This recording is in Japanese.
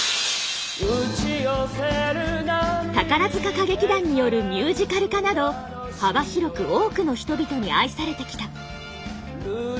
宝塚歌劇団によるミュージカル化など幅広く多くの人々に愛されてきた。